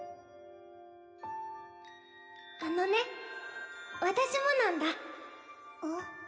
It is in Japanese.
あのね私もなんだえっ？